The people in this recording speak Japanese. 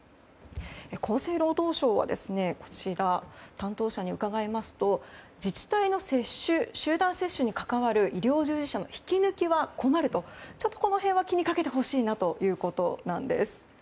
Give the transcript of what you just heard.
厚生労働省は担当者に伺いますと自治体の集団接種に関わる医療従事者の引き抜きは困ると、ちょっとこの辺は気にかけてほしいということなんです。